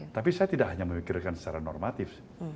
tapi saya tidak hanya memikirkan secara normatif